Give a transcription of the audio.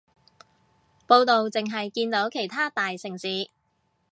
報導淨係見到其他大城市